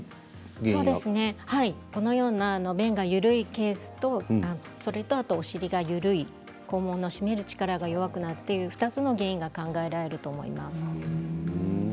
このような便が緩いケースとお尻が緩い肛門が締める力が弱くなる２つの原因が考えられると思います。